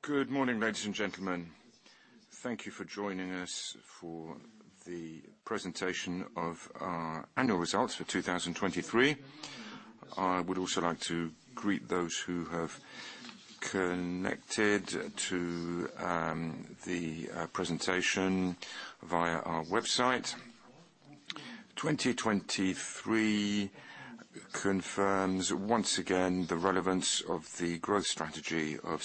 Good morning, ladies and gentlemen. Thank you for joining us for the presentation of our annual results for 2023. I would also like to greet those who have connected to the presentation via our website. 2023 confirms once again the relevance of the growth strategy of.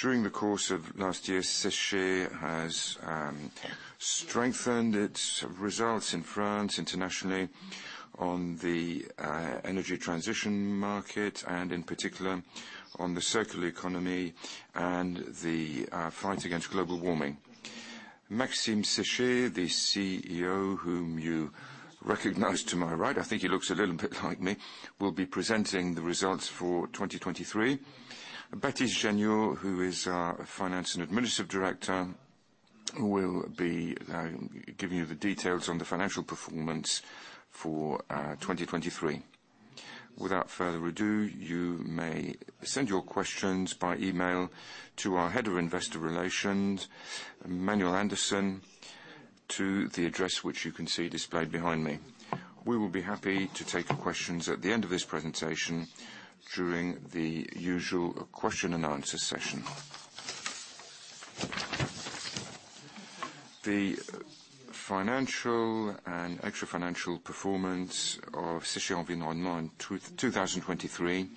During the course of last year, Séché has strengthened its results in France internationally on the energy transition market, and in particular on the circular economy and the fight against global warming. Maxime Séché, the CEO whom you recognise to my right, I think he looks a little bit like me, will be presenting the results for 2023. Baptiste Janiaud, who is our Finance and Administrative Director, will be giving you the details on the financial performance for 2023. Without further ado, you may send your questions by email to our Head of Investor Relations, Manuel Andersen, to the address which you can see displayed behind me. We will be happy to take questions at the end of this presentation during the usual question-and-answer session. The financial and extra-financial performance of Séché Environnement 2023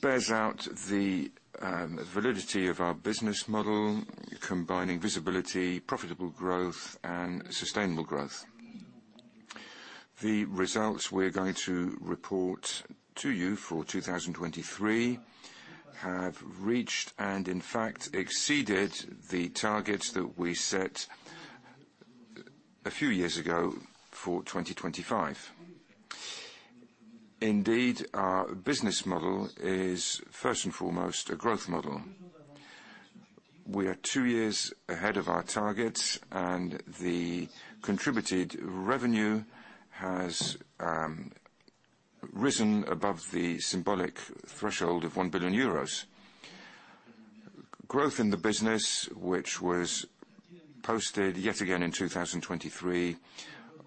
bears out the validity of our business model, combining visibility, profitable growth, and sustainable growth. The results we're going to report to you for 2023 have reached and, in fact, exceeded the targets that we set a few years ago for 2025. Indeed, our business model is, first and foremost, a growth model. We are two years ahead of our targets, and the contributed revenue has risen above the symbolic threshold of 1 billion euros. Growth in the business, which was posted yet again in 2023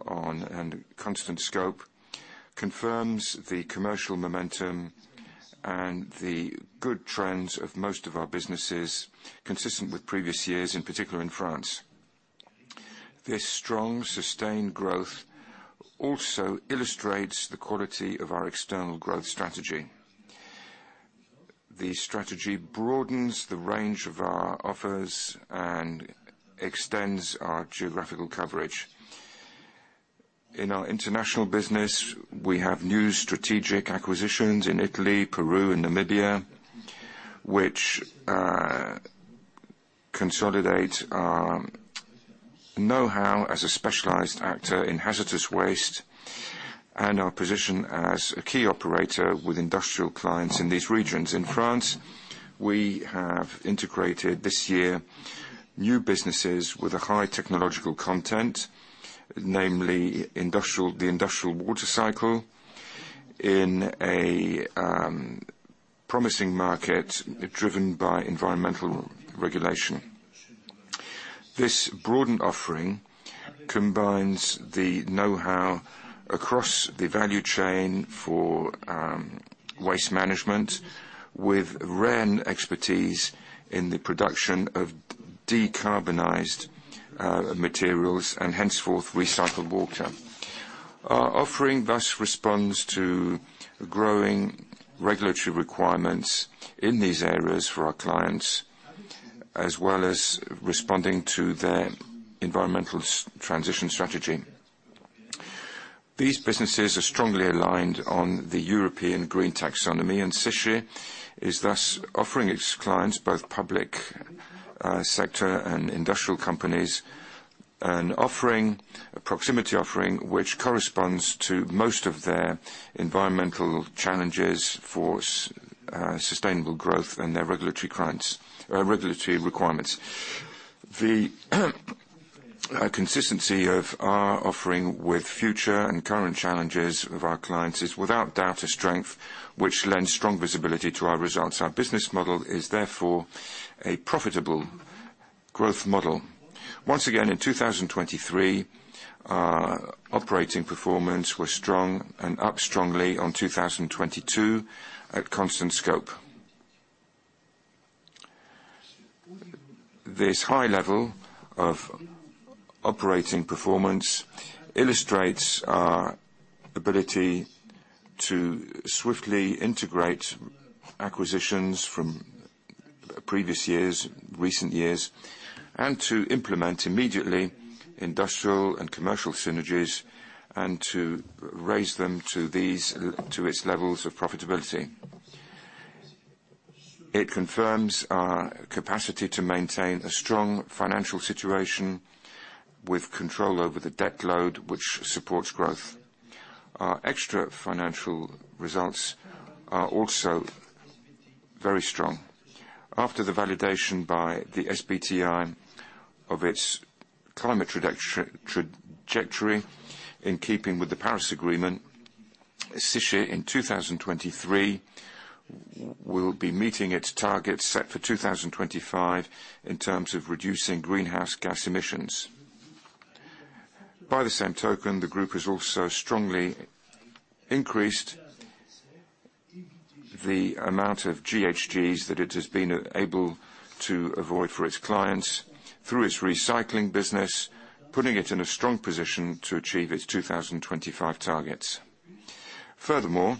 on a constant scope, confirms the commercial momentum and the good trends of most of our businesses, consistent with previous years, in particular in France. This strong, sustained growth also illustrates the quality of our external growth strategy. The strategy broadens the range of our offers and extends our geographical coverage. In our international business, we have new strategic acquisitions in Italy, Peru, and Namibia, which consolidate our know-how as a specialized actor in hazardous waste and our position as a key operator with industrial clients in these regions. In France, we have integrated, this year, new businesses with a high technological content, namely the industrial water cycle, in a promising market driven by environmental regulation. This broadened offering combines the know-how across the value chain for waste management with REN expertise in the production of decarbonized materials and, henceforth, recycled water. Our offering thus responds to growing regulatory requirements in these areas for our clients, as well as responding to their environmental transition strategy. These businesses are strongly aligned on the European Green Taxonomy, and Séché is thus offering its clients, both public sector and industrial companies, a proximity offering which corresponds to most of their environmental challenges for sustainable growth and their regulatory requirements. The consistency of our offering with future and current challenges of our clients is, without doubt, a strength which lends strong visibility to our results. Our business model is, therefore, a profitable growth model. Once again, in 2023, operating performance was strong and up strongly on 2022 at constant scope. This high level of operating performance illustrates our ability to swiftly integrate acquisitions from previous years, recent years, and to implement immediately industrial and commercial synergies and to raise them to its levels of profitability. It confirms our capacity to maintain a strong financial situation with control over the debt load, which supports growth. Our extra-financial results are also very strong. After the validation by the SBTi of its climate trajectory in keeping with the Paris Agreement, Séché, in 2023, will be meeting its targets set for 2025 in terms of reducing greenhouse gas emissions. By the same token, the group has also strongly increased the amount of GHGs that it has been able to avoid for its clients through its recycling business, putting it in a strong position to achieve its 2025 targets. Furthermore,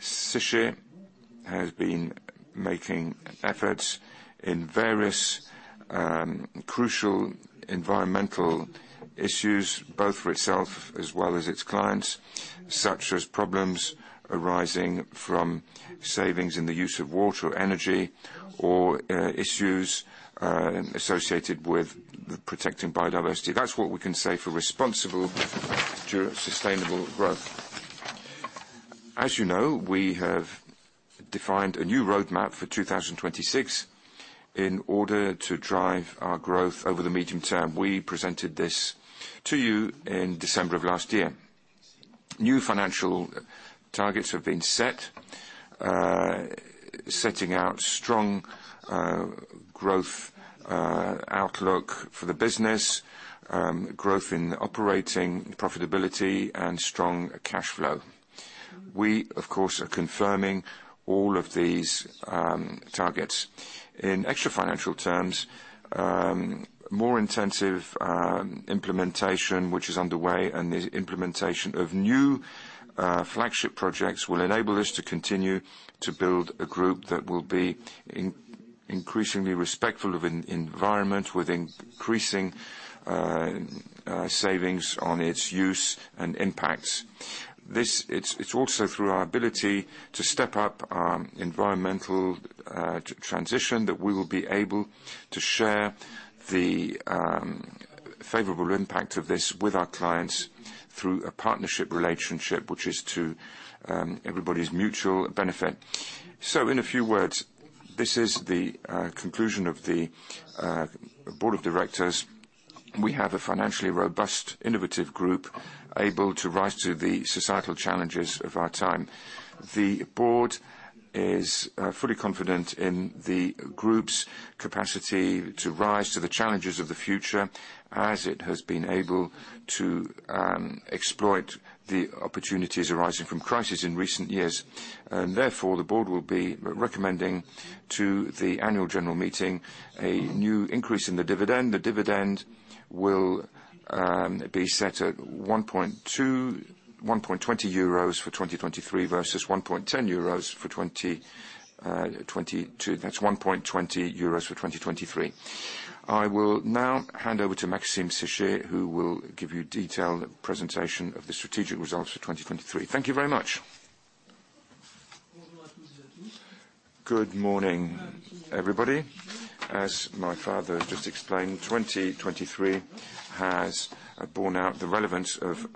Séché has been making efforts in various crucial environmental issues, both for itself as well as its clients, such as problems arising from savings in the use of water or energy, or issues associated with protecting biodiversity. That's what we can say for responsible, sustainable growth. As you know, we have defined a new roadmap for 2026 in order to drive our growth over the medium term. We presented this to you in December of last year. New financial targets have been set, setting out a strong growth outlook for the business, growth in operating profitability, and strong cash flow. We, of course, are confirming all of these targets. In extra-financial terms, more intensive implementation, which is underway, and the implementation of new flagship projects will enable us to continue to build a group that will be increasingly respectful of the environment, with increasing savings on its use and impacts. It's also through our ability to step up our environmental transition that we will be able to share the favorable impact of this with our clients through a partnership relationship, which is to everybody's mutual benefit. So, in a few words, this is the conclusion of the board of directors. We have a financially robust, innovative group able to rise to the societal challenges of our time. The board is fully confident in the group's capacity to rise to the challenges of the future as it has been able to exploit the opportunities arising from crises in recent years. Therefore, the board will be recommending to the annual general meeting a new increase in the dividend. The dividend will be set at 1.20 euros for 2023 versus 1.10 euros for 2022. That's 1.20 euros for 2023. I will now hand over to Maxime Séché, who will give you a detailed presentation of the strategic results for 2023. Thank you very much. Good morning, everybody. As my father just explained, 2023 has borne out the relevance of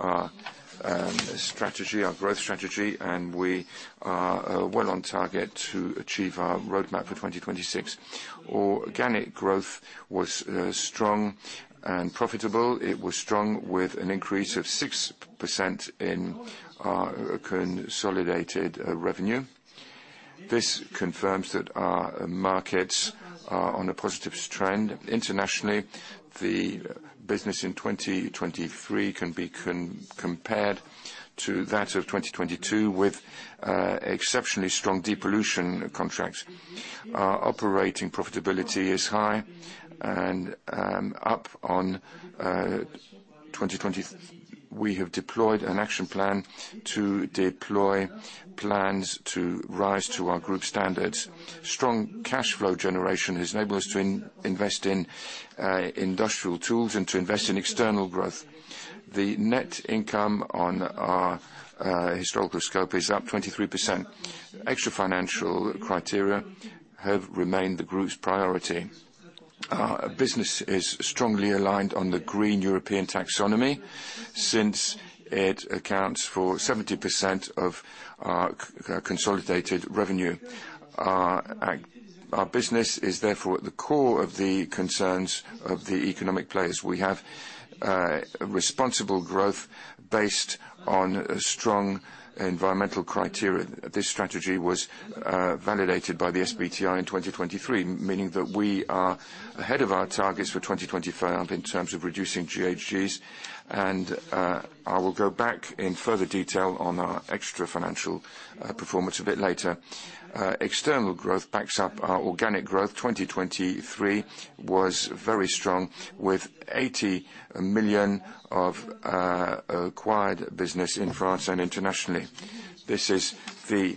our growth strategy, and we are well on target to achieve our roadmap for 2026. Organic growth was strong and profitable. It was strong with an increase of 6% in our consolidated revenue. This confirms that our markets are on a positive trend. Internationally, the business in 2023 can be compared to that of 2022 with exceptionally strong depollution contracts. Our operating profitability is high and up on 2020. We have deployed an action plan to deploy plans to rise to our group standards. Strong cash flow generation has enabled us to invest in industrial tools and to invest in external growth. The net income on our historical scope is up 23%. Extra-financial criteria have remained the group's priority. Our business is strongly aligned on the European Green Taxonomy since it accounts for 70% of our consolidated revenue. Our business is, therefore, at the core of the concerns of the economic players. We have responsible growth based on strong environmental criteria. This strategy was validated by the SBTi in 2023, meaning that we are ahead of our targets for 2025 in terms of reducing GHGs. And I will go back in further detail on our extra-financial performance a bit later. External growth backs up our organic growth. 2023 was very strong, with 80 million of acquired business in France and internationally. This is the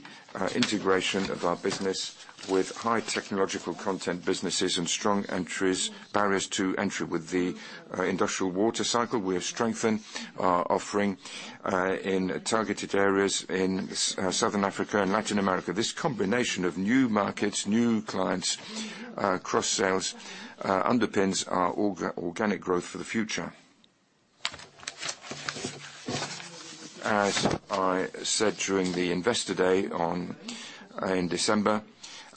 integration of our business with high technological content businesses and strong barriers to entry. With the industrial water cycle, we have strengthened our offering in targeted areas in Southern Africa and Latin America. This combination of new markets, new clients, cross-sales underpins our organic growth for the future. As I said during the investor day in December,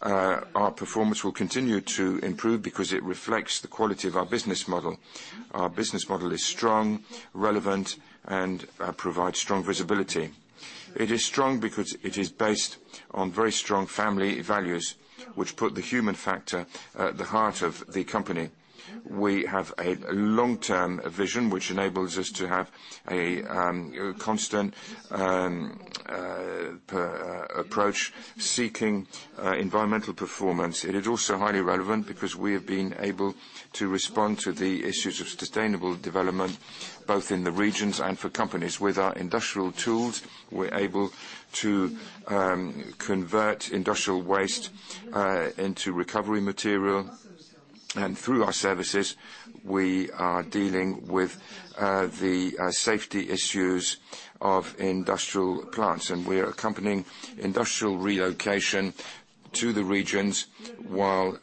our performance will continue to improve because it reflects the quality of our business model. Our business model is strong, relevant, and provides strong visibility. It is strong because it is based on very strong family values, which put the human factor at the heart of the company. We have a long-term vision, which enables us to have a constant approach seeking environmental performance. It is also highly relevant because we have been able to respond to the issues of sustainable development, both in the regions and for companies. With our industrial tools, we're able to convert industrial waste into recovery material. Through our services, we are dealing with the safety issues of industrial plants. We are accompanying industrial relocation to the regions while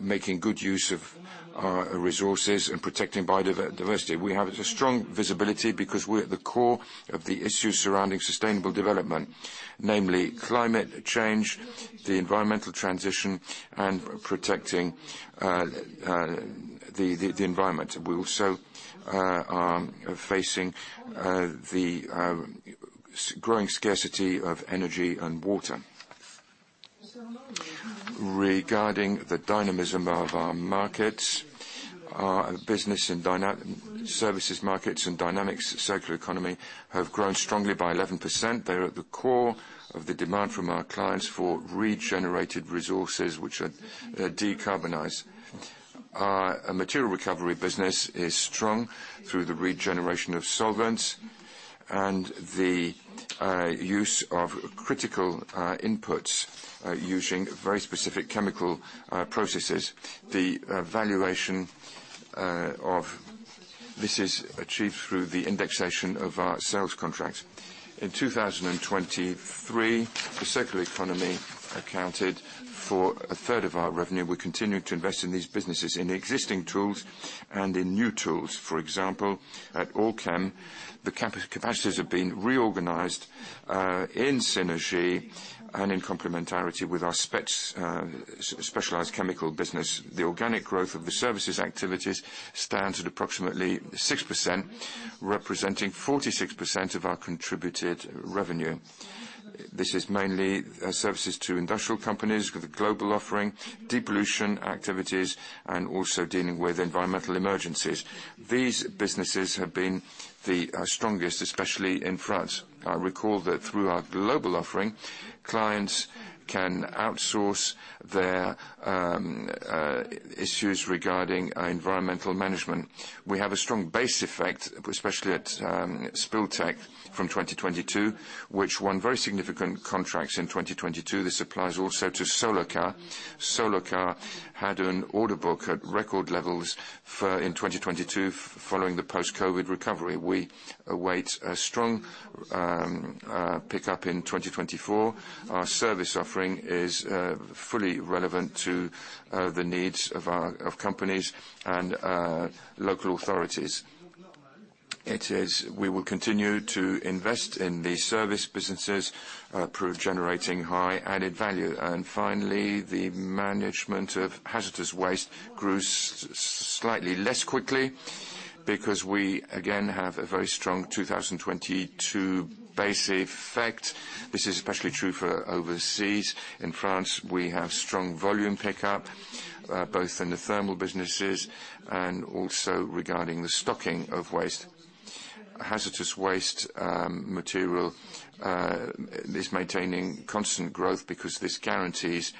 making good use of our resources and protecting biodiversity. We have a strong visibility because we're at the core of the issues surrounding sustainable development, namely climate change, the environmental transition, and protecting the environment. We also are facing the growing scarcity of energy and water. Regarding the dynamism of our business and services markets and dynamics, circular economy have grown strongly by 11%. They are at the core of the demand from our clients for regenerated resources, which are decarbonized. Our material recovery business is strong through the regeneration of solvents and the use of critical inputs using very specific chemical processes. This is achieved through the indexation of our sales contracts. In 2023, the circular economy accounted for a third of our revenue. We continue to invest in these businesses, in existing tools and in new tools. For example, at All'Chem, the capacities have been reorganized in synergy and in complementarity with our specialized chemical business. The organic growth of the services activities stands at approximately 6%, representing 46% of our contributed revenue. This is mainly services to industrial companies with a global offering, depollution activities, and also dealing with environmental emergencies. These businesses have been the strongest, especially in France. I recall that through our global offering, clients can outsource their issues regarding environmental management. We have a strong base effect, especially at Spill Tech from 2022, which won very significant contracts in 2022. This applies also to Solarca. Solarca had an order book at record levels in 2022 following the post-COVID recovery. We await a strong pickup in 2024. Our service offering is fully relevant to the needs of companies and local authorities. We will continue to invest in the service businesses, generating high-added value. And finally, the management of hazardous waste grew slightly less quickly because we, again, have a very strong 2022 base effect. This is especially true for overseas. In France, we have strong volume pickup, both in the thermal businesses and also regarding the stocking of waste. Hazardous waste material is maintaining constant growth because this guarantees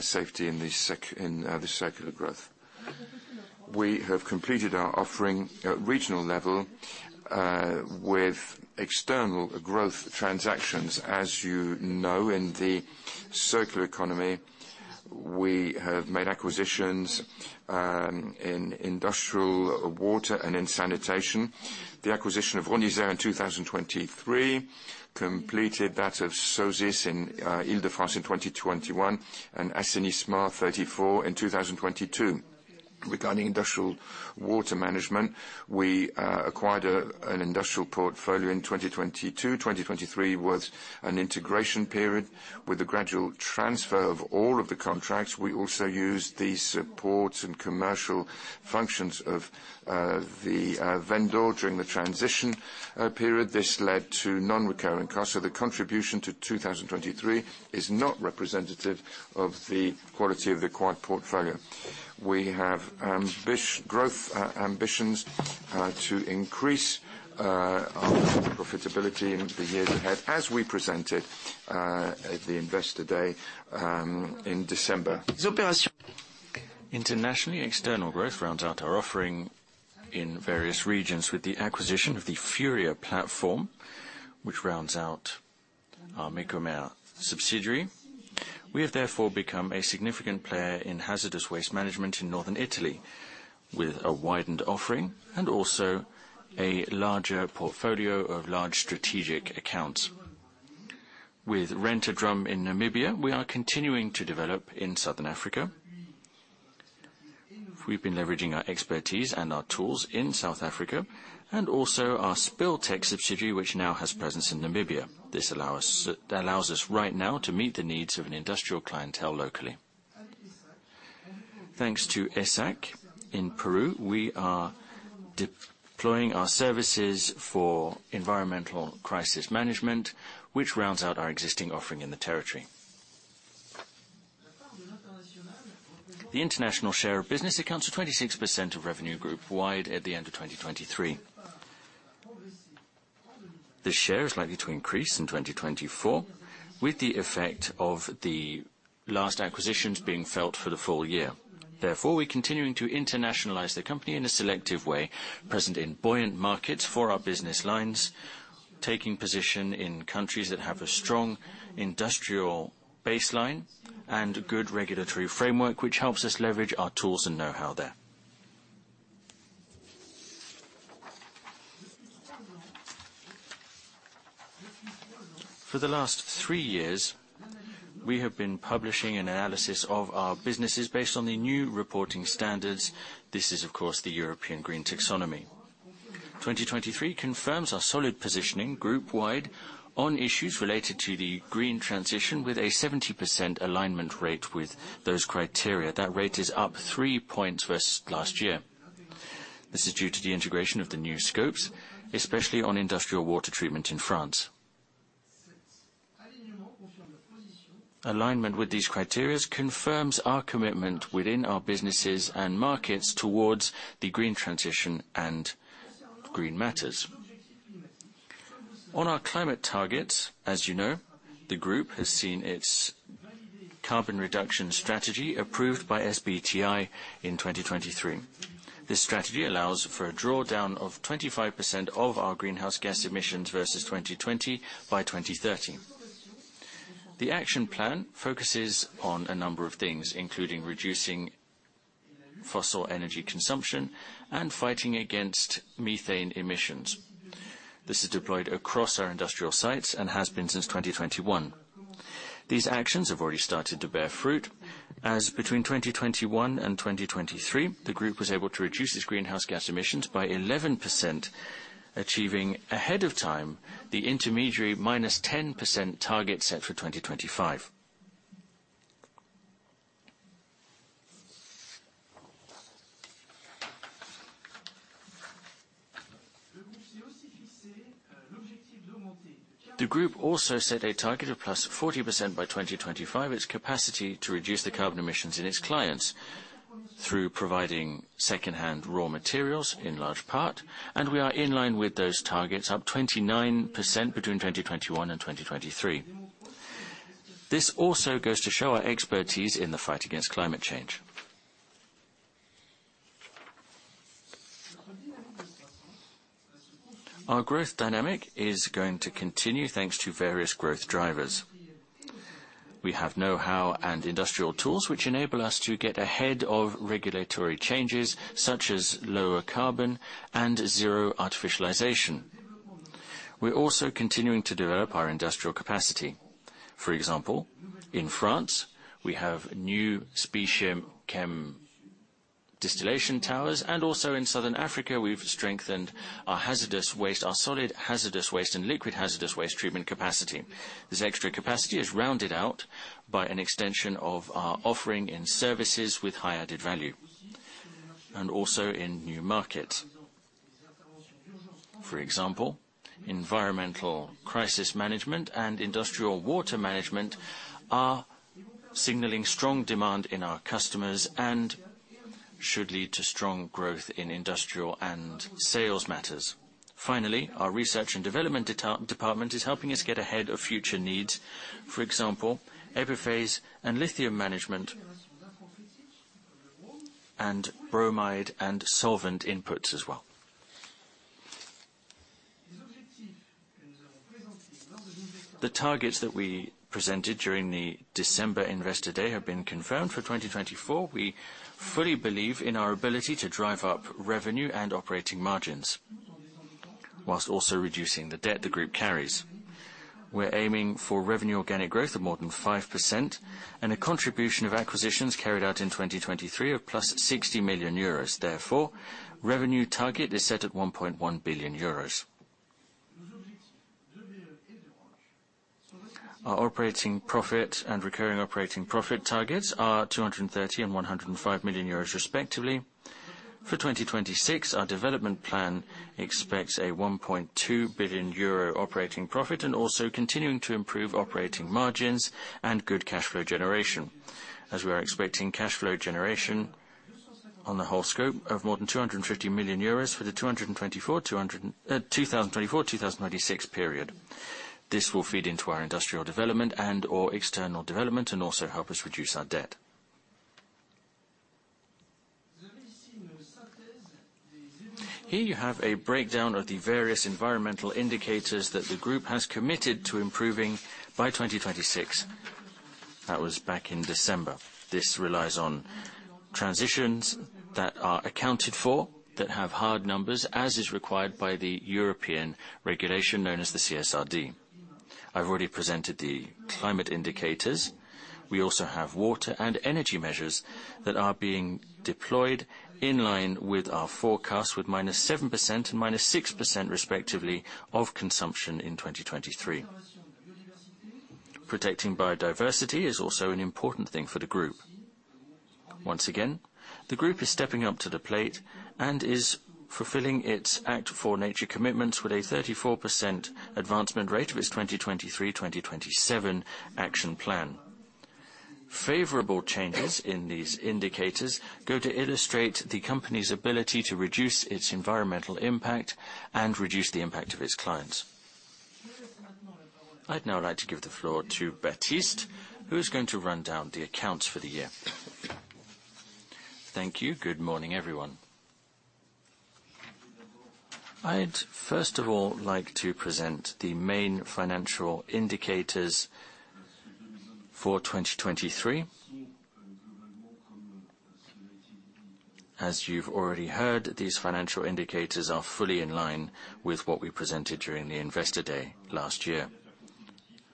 safety in the circular growth. We have completed our offering at regional level with external growth transactions. As you know, in the circular economy, we have made acquisitions in industrial water and in sanitation. The acquisition of Reneire in 2023 completed that of SOSIS in Île-de-France in 2021 and Assainissement 34 in 2022. Regarding industrial water management, we acquired an industrial portfolio in 2022. 2023 was an integration period. With the gradual transfer of all of the contracts, we also used the supports and commercial functions of the vendor during the transition period. This led to non-recurring costs. So the contribution to 2023 is not representative of the quality of the acquired portfolio. We have growth ambitions to increase our profitability in the years ahead as we presented at the investor day in December. Internationally, external growth rounds out our offering in various regions with the acquisition of the Furia platform, which rounds out our Mecomer subsidiary. We have, therefore, become a significant player in hazardous waste management in northern Italy with a widened offering and also a larger portfolio of large strategic accounts. With Rent-A-Drum in Namibia, we are continuing to develop in Southern Africa. We've been leveraging our expertise and our tools in South Africa and also our Spill Tech subsidiary, which now has presence in Namibia. This allows us right now to meet the needs of an industrial clientele locally. Thanks to ESSAC in Peru, we are deploying our services for environmental crisis management, which rounds out our existing offering in the territory. The international share of business amounts to 26% of revenue group-wide at the end of 2023. This share is likely to increase in 2024 with the effect of the last acquisitions being felt for the full year. Therefore, we're continuing to internationalize the company in a selective way, present in buoyant markets for our business lines, taking position in countries that have a strong industrial baseline and good regulatory framework, which helps us leverage our tools and know-how there. For the last three years, we have been publishing an analysis of our businesses based on the new reporting standards. This is, of course, the European Green Taxonomy. 2023 confirms our solid positioning group-wide on issues related to the green transition with a 70% alignment rate with those criteria. That rate is up three points versus last year. This is due to the integration of the new scopes, especially on industrial water treatment in France. Alignment with these criteria confirms our commitment within our businesses and markets towards the green transition and green matters. On our climate targets, as you know, the group has seen its carbon reduction strategy approved by SBTi in 2023. This strategy allows for a drawdown of 25% of our greenhouse gas emissions versus 2020 by 2030. The action plan focuses on a number of things, including reducing fossil energy consumption and fighting against methane emissions. This is deployed across our industrial sites and has been since 2021. These actions have already started to bear fruit, as between 2021 and 2023, the group was able to reduce its greenhouse gas emissions by 11%, achieving ahead of time the intermediary -10% target set for 2025. The group also set a target of +40% by 2025. Its capacity to reduce the carbon emissions in its clients through providing second-hand raw materials, in large part. And we are in line with those targets, up 29% between 2021 and 2023. This also goes to show our expertise in the fight against climate change. Our growth dynamic is going to continue thanks to various growth drivers. We have know-how and industrial tools which enable us to get ahead of regulatory changes such as lower carbon and zero artificialisation. We're also continuing to develop our industrial capacity. For example, in France, we have new steam chemical distillation towers. And also in southern Africa, we've strengthened our solid hazardous waste and liquid hazardous waste treatment capacity. This extra capacity is rounded out by an extension of our offering in services with high-added value and also in new markets. For example, environmental crisis management and industrial water management are signaling strong demand in our customers and should lead to strong growth in industrial and sales matters. Finally, our research and development department is helping us get ahead of future needs, for example, epiphase and lithium management and bromide and solvent inputs as well. The targets that we presented during the December investor day have been confirmed for 2024. We fully believe in our ability to drive up revenue and operating margins whilst also reducing the debt the group carries. We're aiming for revenue organic growth of more than 5% and a contribution of acquisitions carried out in 2023 of +60 million euros. Therefore, revenue target is set at 1.1 billion euros. Our operating profit and recurring operating profit targets are 230 million and 105 million euros, respectively. For 2026, our development plan expects a 1.2 billion euro operating profit and also continuing to improve operating margins and good cash flow generation, as we are expecting cash flow generation on the whole scope of more than 250 million euros for the 2024-2026 period. This will feed into our industrial development and/or external development and also help us reduce our debt. Here you have a breakdown of the various environmental indicators that the group has committed to improving by 2026. That was back in December. This relies on transitions that are accounted for, that have hard numbers, as is required by the European regulation known as the CSRD. I've already presented the climate indicators. We also have water and energy measures that are being deployed in line with our forecasts with -7% and -6%, respectively, of consumption in 2023. Protecting biodiversity is also an important thing for the group. Once again, the group is stepping up to the plate and is fulfilling its act4nature commitments with a 34% advancement rate of its 2023-2027 action plan. Favorable changes in these indicators go to illustrate the company's ability to reduce its environmental impact and reduce the impact of its clients. I'd now like to give the floor to Baptiste, who is going to run down the accounts for the year. Thank you. Good morning, everyone. I'd, first of all, like to present the main financial indicators for 2023. As you've already heard, these financial indicators are fully in line with what we presented during the investor day last year,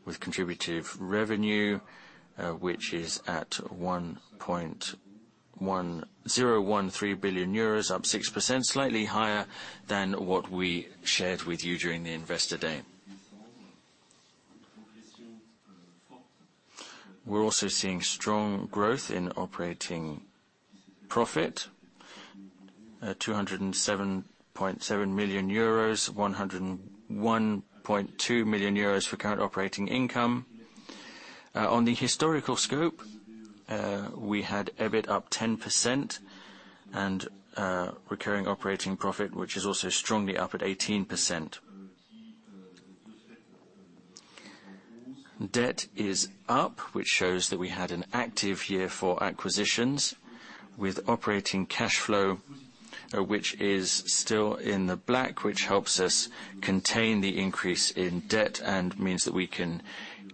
with contributive revenue, which is at 0.13 billion euros, up 6%, slightly higher than what we shared with you during the investor day. We're also seeing strong growth in operating profit, 207.7 million euros, 101.2 million euros for current operating income. On the historical scope, we had EBIT up 10% and recurring operating profit, which is also strongly up at 18%. Debt is up, which shows that we had an active year for acquisitions, with operating cash flow, which is still in the black, which helps us contain the increase in debt and means that we can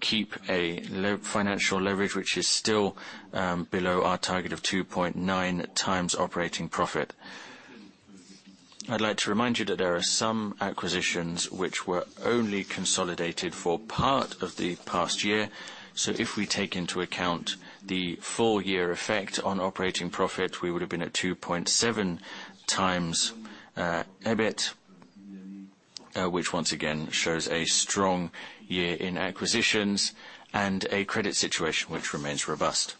keep a financial leverage, which is still below our target of 2.9x operating profit. I'd like to remind you that there are some acquisitions which were only consolidated for part of the past year. So if we take into account the full-year effect on operating profit, we would have been at 2.7x EBIT, which once again shows a strong year in acquisitions and a credit situation which remains robust.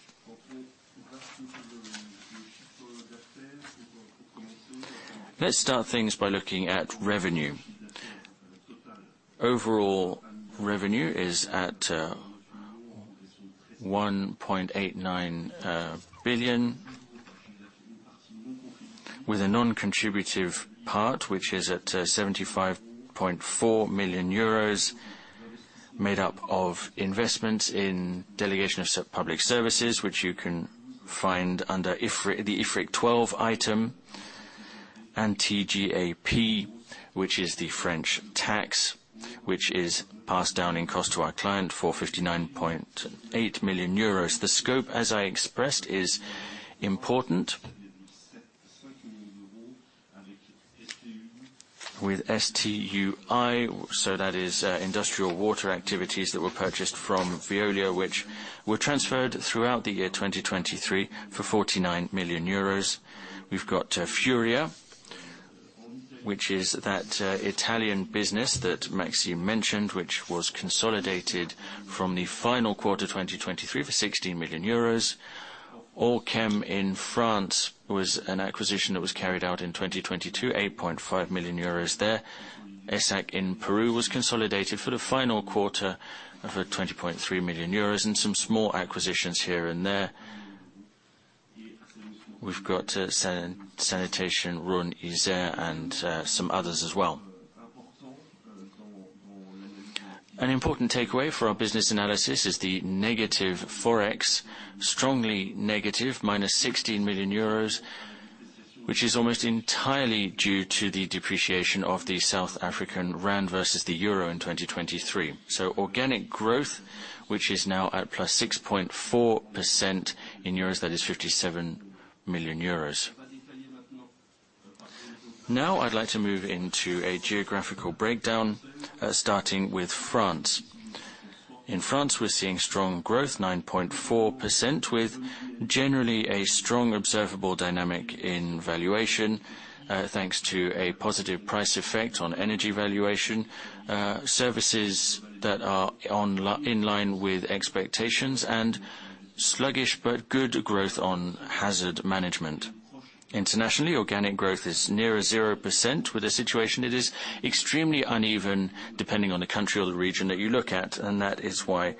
Let's start things by looking at revenue. Overall revenue is at 1.89 billion, with a non-contributive part, which is at 75.4 million euros, made up of investments in delegation of public services, which you can find under the IFRIC 12 item, and TGAP, which is the French tax, which is passed down in cost to our client for 59.8 million euros. The scope, as I expressed, is important, with SDEI. So that is industrial water activities that were purchased from Veolia, which were transferred throughout the year 2023 for 49 million euros. We've got Furia, which is that Italian business that Maxime mentioned, which was consolidated from the final quarter 2023 for 16 million euros. All'Chem in France was an acquisition that was carried out in 2022, 8.5 million euros there. ESSAC in Peru was consolidated for the final quarter for 20.3 million euros and some small acquisitions here and there. We've got Sanitation Rouen-Isère and some others as well. An important takeaway for our business analysis is the negative Forex, strongly negative, -16 million euros, which is almost entirely due to the depreciation of the South African Rand versus the euro in 2023. So organic growth, which is now at +6.4% in EUR, that is 57 million euros. Now I'd like to move into a geographical breakdown, starting with France. In France, we're seeing strong growth, 9.4%, with generally a strong observable dynamic in valuation thanks to a positive price effect on energy valuation, services that are in line with expectations, and sluggish but good growth on hazard management. Internationally, organic growth is nearer 0%, with a situation it is extremely uneven depending on the country or the region that you look at. And that is why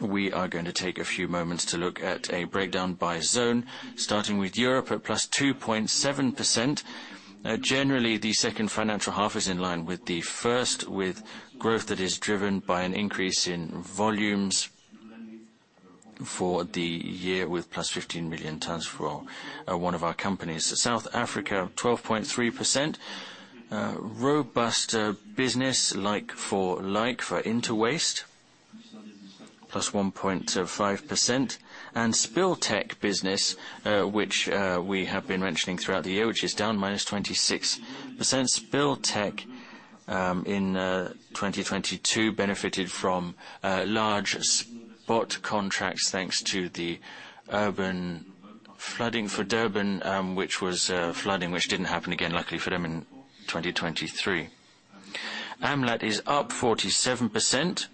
we are going to take a few moments to look at a breakdown by zone, starting with Europe at +2.7%. Generally, the second financial half is in line with the first, with growth that is driven by an increase in volumes for the year with +15 million tons for one of our companies. South Africa, 12.3%, robust business like for like, for Interwaste, +1.5%. And Spill Tech business, which we have been mentioning throughout the year, which is down -26%. Spill Tech in 2022 benefited from large spot contracts thanks to the urban flooding for Durban, which was flooding, which didn't happen again, luckily for them, in 2023. Amlat is up 47%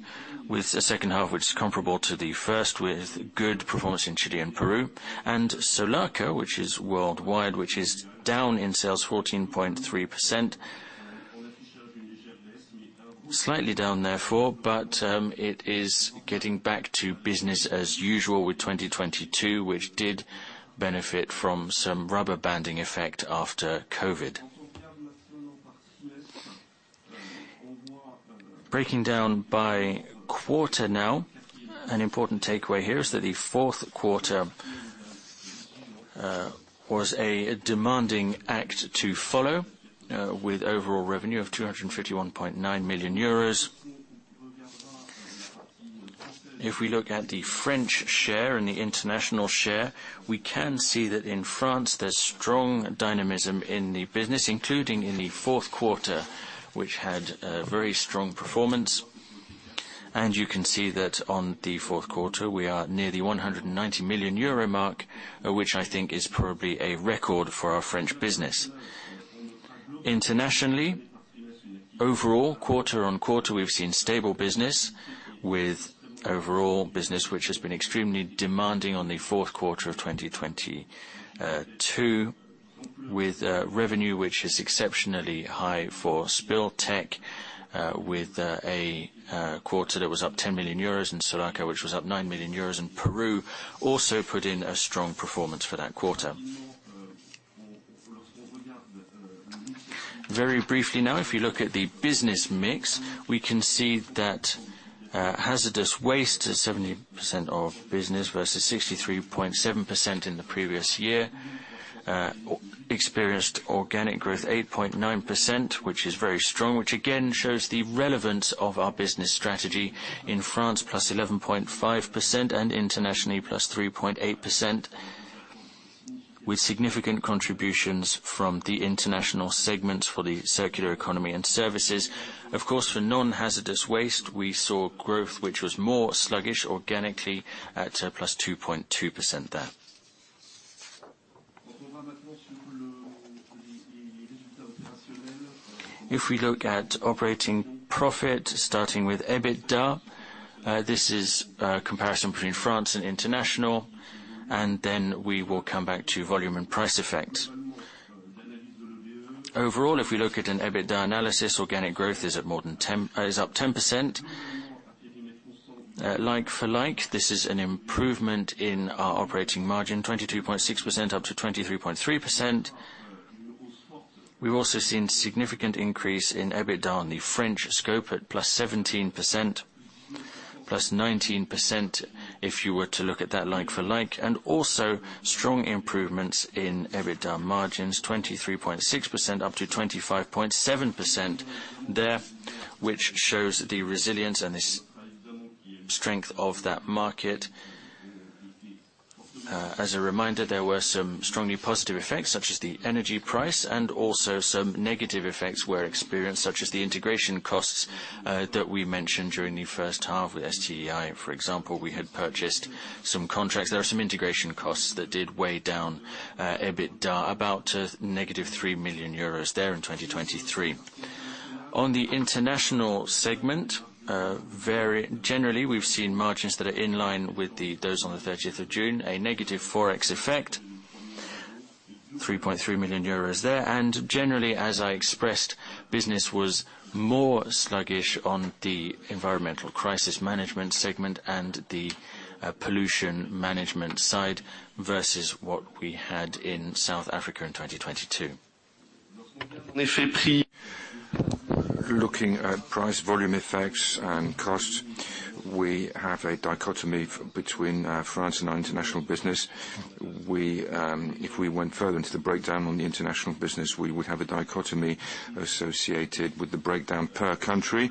with a second half, which is comparable to the first, with good performance in Chile and Peru. And Solarca, which is worldwide, which is down in sales 14.3%, slightly down therefore, but it is getting back to business as usual with 2022, which did benefit from some rubber-banding effect after COVID. Breaking down by quarter now, an important takeaway here is that the fourth quarter was a demanding act to follow with overall revenue of 251.9 million euros. If we look at the French share and the international share, we can see that in France, there's strong dynamism in the business, including in the fourth quarter, which had very strong performance. And you can see that on the fourth quarter, we are near the 190 million euro mark, which I think is probably a record for our French business. Internationally, overall, quarter-on-quarter, we've seen stable business with overall business which has been extremely demanding on the fourth quarter of 2022, with revenue which is exceptionally high for Spill Tech, with a quarter that was up 10 million euros in Solarca, which was up 9 million euros. And Peru also put in a strong performance for that quarter. Very briefly now, if you look at the business mix, we can see that hazardous waste, 70% of business versus 63.7% in the previous year, experienced organic growth 8.9%, which is very strong, which again shows the relevance of our business strategy in France, +11.5%, and internationally, +3.8%, with significant contributions from the international segments for the circular economy and services. Of course, for non-hazardous waste, we saw growth which was more sluggish organically at +2.2% there. If we look at operating profit, starting with EBITDA, this is a comparison between France and international. Then we will come back to volume and price effect. Overall, if we look at an EBITDA analysis, organic growth is up 10%. Like for like, this is an improvement in our operating margin, 22.6%-23.3%. We've also seen significant increase in EBITDA on the French scope at +17%, +19% if you were to look at that like for like, and also strong improvements in EBITDA margins, 23.6%-25.7% there, which shows the resilience and the strength of that market. As a reminder, there were some strongly positive effects such as the energy price, and also some negative effects were experienced such as the integration costs that we mentioned during the first half with SDEI. For example, we had purchased some contracts. There are some integration costs that did weigh down EBITDA, about -3 million euros there in 2023. On the international segment, generally, we've seen margins that are in line with those on the 30th of June, a negative Forex effect, 3.3 million euros there. And generally, as I expressed, business was more sluggish on the environmental crisis management segment and the pollution management side versus what we had in South Africa in 2022. Looking at price volume effects and costs, we have a dichotomy between France and our international business. If we went further into the breakdown on the international business, we would have a dichotomy associated with the breakdown per country.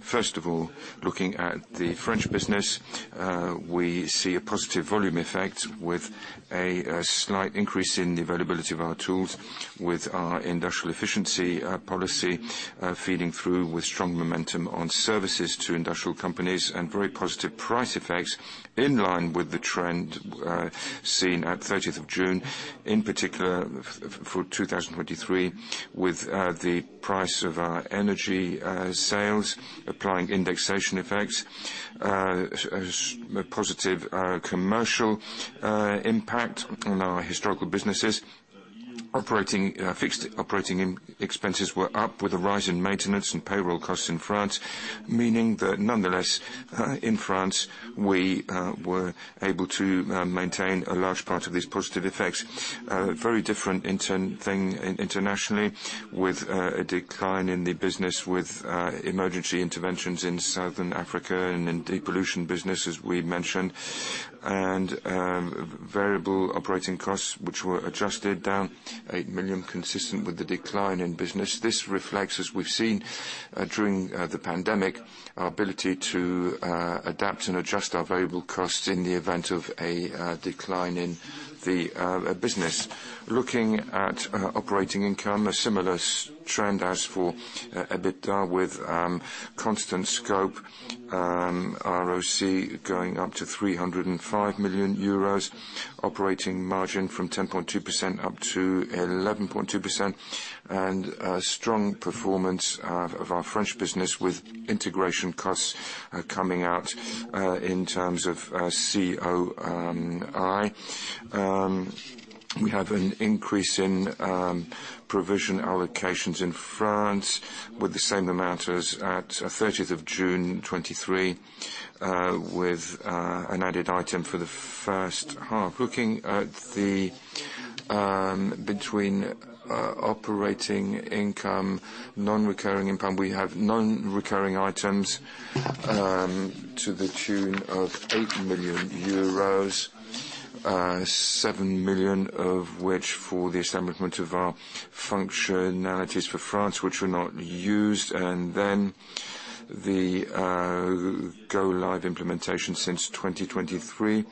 First of all, looking at the French business, we see a positive volume effect with a slight increase in the availability of our tools, with our industrial efficiency policy feeding through with strong momentum on services to industrial companies, and very positive price effects in line with the trend seen at 30th of June, in particular for 2023, with the price of our energy sales applying indexation effects, a positive commercial impact. On our historical businesses, fixed operating expenses were up with a rise in maintenance and payroll costs in France, meaning that nonetheless, in France, we were able to maintain a large part of these positive effects. Very different internationally with a decline in the business with emergency interventions in Southern Africa and in the pollution business, as we mentioned, and variable operating costs which were adjusted down 8 million, consistent with the decline in business. This reflects, as we've seen during the pandemic, our ability to adapt and adjust our variable costs in the event of a decline in the business. Looking at operating income, a similar trend as for EBITDA with constant scope, ROC going up to 305 million euros, operating margin from 10.2% up to 11.2%, and strong performance of our French business with integration costs coming out in terms of COI. We have an increase in provision allocations in France with the same amount as at 30th of June 2023 with an added item for the first half. Looking at the between operating income, non-recurring income, we have non-recurring items to the tune of 8 million euros, 7 million of which for the establishment of our functionalities for France, which were not used, and then the go-live implementation since 2023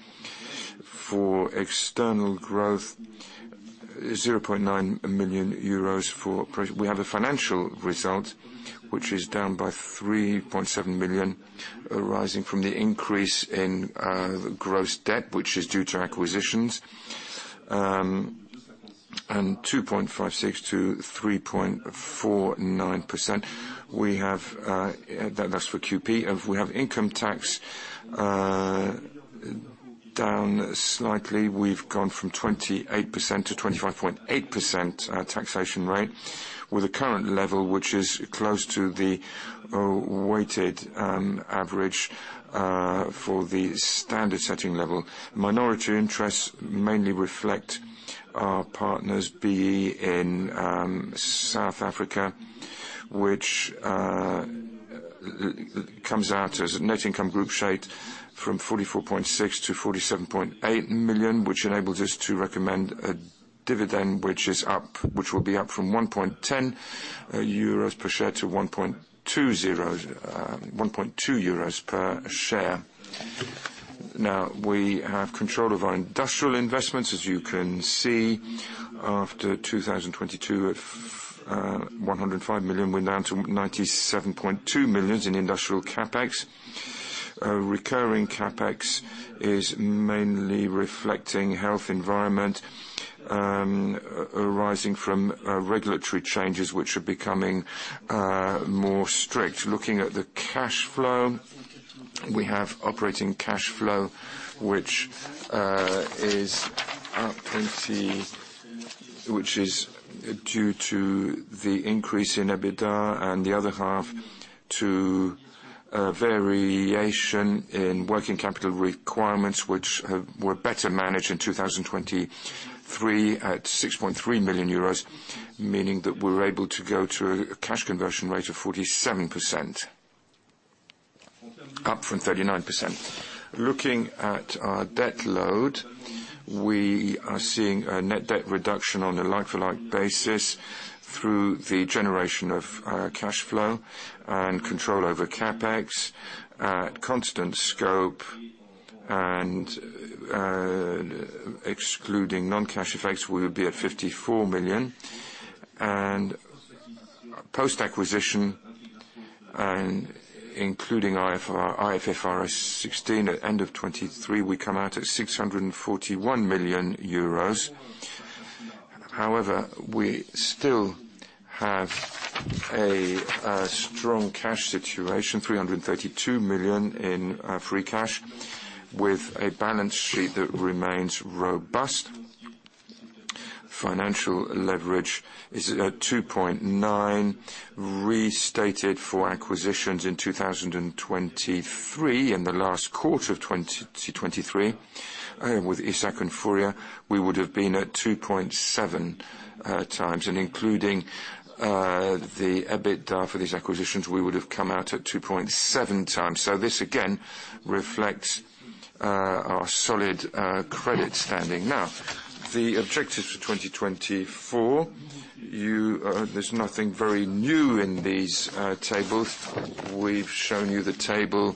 for external growth, 0.9 million euros for we have a financial result which is down by 3.7 million, arising from the increase in gross debt, which is due to acquisitions, and 2.56%-3.49%. That's for QP. We have income tax down slightly. We've gone from 28%-25.8% taxation rate with a current level which is close to the weighted average for the standard setting level. Minority interests mainly reflect our partners, be it in South Africa, which comes out as net income group share from 44.6 million to 47.8 million, which enables us to recommend a dividend which will be up from 1.10 euros per share to 1.2 euros per share. Now, we have control of our industrial investments, as you can see. After 2022 at 105 million, we're down to 97.2 million in industrial CapEx. Recurring CapEx is mainly reflecting health environment, arising from regulatory changes which are becoming more strict. Looking at the cash flow, we have operating cash flow which is due to the increase in EBITDA and the other half to variation in working capital requirements which were better managed in 2023 at 6.3 million euros, meaning that we're able to go to a cash conversion rate of 47%, up from 39%. Looking at our debt load, we are seeing a net debt reduction on a like-for-like basis through the generation of cash flow and control over CapEx. At constant scope and excluding non-cash effects, we would be at 54 million. Post-acquisition, including IFRS 16 at end of 2023, we come out at 641 million euros. However, we still have a strong cash situation, 332 million in free cash, with a balance sheet that remains robust. Financial leverage is at 2.9 restated for acquisitions in 2023. In the last quarter of 2023, with ESSAC and Furia, we would have been at 2.7 times. Including the EBITDA for these acquisitions, we would have come out at 2.7 times. So this, again, reflects our solid credit standing. Now, the objectives for 2024, there's nothing very new in these tables. We've shown you the table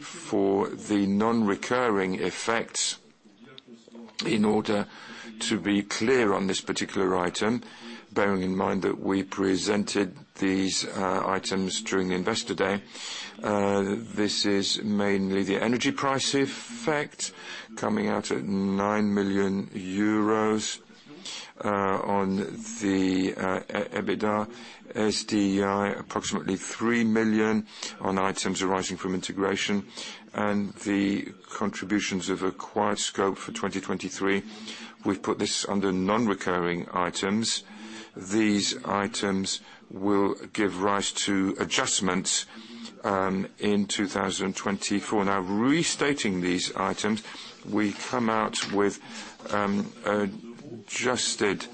for the non-recurring effects. In order to be clear on this particular item, bearing in mind that we presented these items during Investor Day, this is mainly the energy price effect coming out at 9 million euros on the EBITDA, SDEI approximately 3 million on items arising from integration, and the contributions of acquired scope for 2023. We've put this under non-recurring items. These items will give rise to adjustments in 2024. Now, restating these items, we come out with an adjusted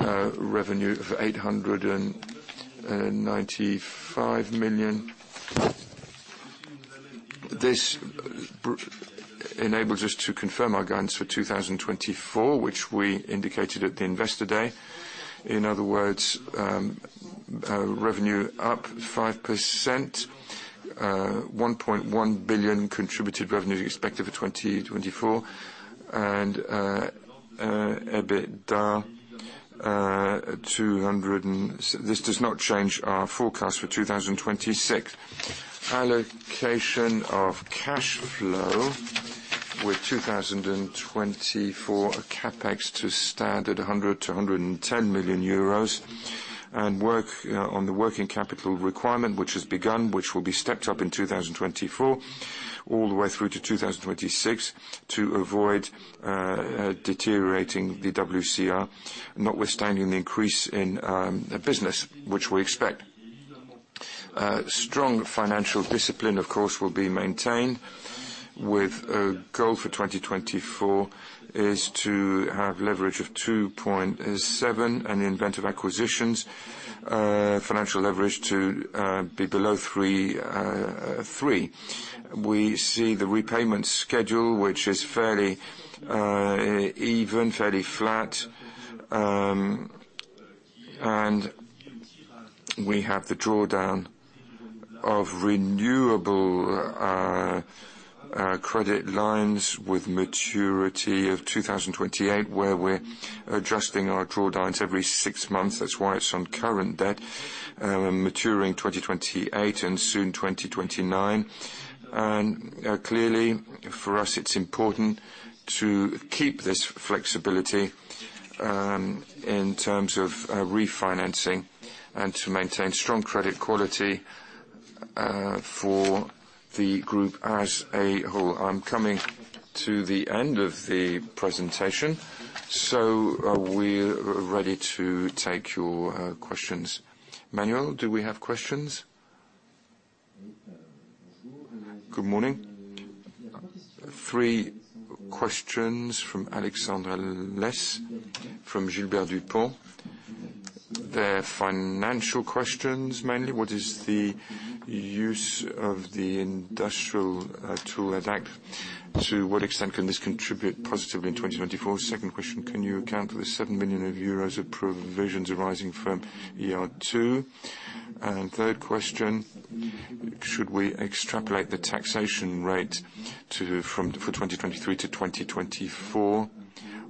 revenue of EUR 895 million. This enables us to confirm our guidance for 2024, which we indicated at the Investor Day. In other words, revenue up 5%, 1.1 billion contributed revenue expected for 2024, and EBITDA EUR 200 million. This does not change our forecast for 2026. Allocation of cash flow with 2024 CapEx to standard 100 million-110 million euros and work on the working capital requirement which has begun, which will be stepped up in 2024 all the way through to 2026 to avoid deteriorating the WCR, notwithstanding the increase in business which we expect. Strong financial discipline, of course, will be maintained with a goal for 2024 is to have leverage of 2.7 and the in event of acquisitions, financial leverage to be below 3. We see the repayment schedule which is fairly even, fairly flat, and we have the drawdown of renewable credit lines with maturity of 2028 where we're adjusting our drawdowns every six months. That's why it's on current debt, maturing 2028 and soon 2029. Clearly, for us, it's important to keep this flexibility in terms of refinancing and to maintain strong credit quality for the group as a whole. I'm coming to the end of the presentation, so we're ready to take your questions. Manuel, do we have questions? Good morning. Three questions from Alexandre Letz, from Gilbert Dupont. They're financial questions mainly. What is the use of the industrial tool? To what extent can this contribute positively in 2024? Second question, can you account for the 7 million euros of provisions arising from ER2? And third question, should we extrapolate the taxation rate for 2023 to 2024,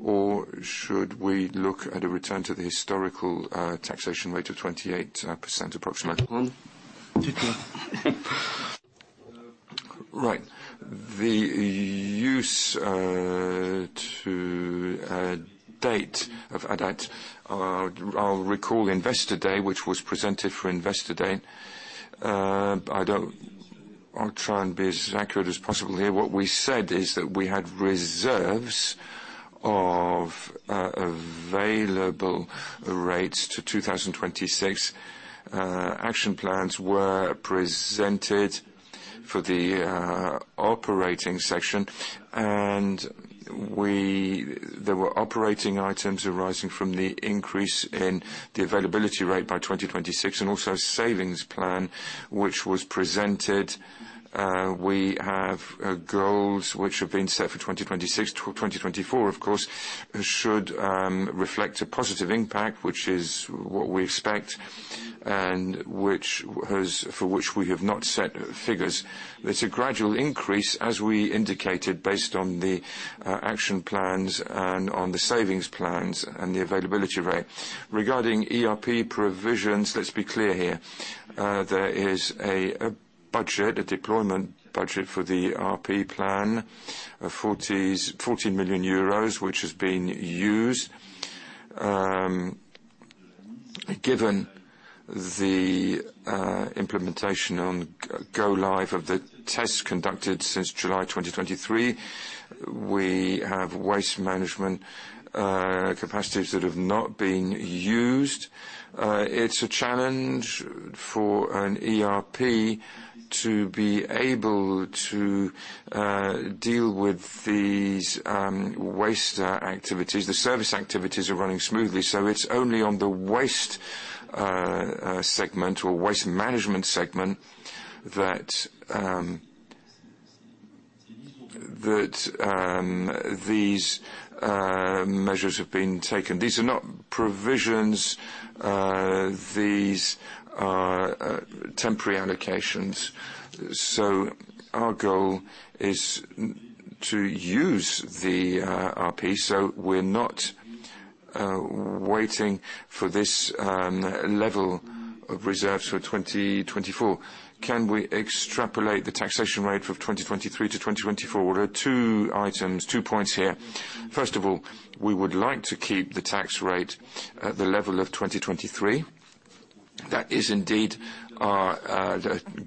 or should we look at a return to the historical taxation rate of 28% approximately? Right. The use to date of ADACT, I'll recall Investor Day which was presented for Investor Day. I'll try and be as accurate as possible here. What we said is that we had reserves of available rates to 2026. Action plans were presented for the operating section, and there were operating items arising from the increase in the availability rate by 2026 and also a savings plan which was presented. We have goals which have been set for 2026. 2024, of course, should reflect a positive impact, which is what we expect and for which we have not set figures. It's a gradual increase, as we indicated, based on the action plans and on the savings plans and the availability rate. Regarding ERP provisions, let's be clear here. There is a budget, a deployment budget for the ERP plan, 14 million euros which has been used. Given the implementation on go-live of the tests conducted since July 2023, we have waste management capacities that have not been used. It's a challenge for an ERP to be able to deal with these waste activities. The service activities are running smoothly, so it's only on the waste segment or waste management segment that these measures have been taken. These are not provisions. These are temporary allocations. So our goal is to use the RP, so we're not waiting for this level of reserves for 2024. Can we extrapolate the taxation rate from 2023 to 2024? Well, there are two items, two points here. First of all, we would like to keep the tax rate at the level of 2023. That is indeed our